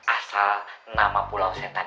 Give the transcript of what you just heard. asal nama pulau setan